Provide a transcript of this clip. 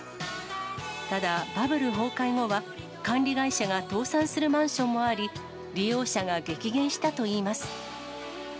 ただ、バブル崩壊後は管理会社が倒産するマンションもあり、利用者が激減したといいます。